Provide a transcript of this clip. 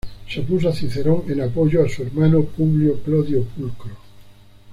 Se opuso a Cicerón en apoyo a su hermano Publio Clodio Pulcro.